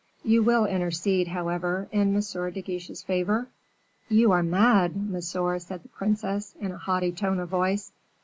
"You will intercede, however, in M. de Guiche's favor?" "You are mad, monsieur," said the princess, in a haughty tone of voice.